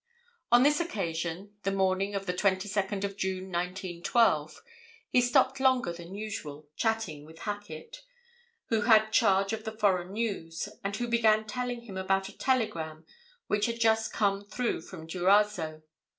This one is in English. On this occasion, the morning of the 22nd of June, 1912, he stopped longer than usual, chatting with Hacket, who had charge of the foreign news, and who began telling him about a telegram which had just come through from Durazzo.